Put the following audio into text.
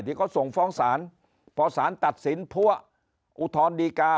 ที่เขาส่งฟ้องศาลพอสารตัดสินพัวอุทธรณดีกา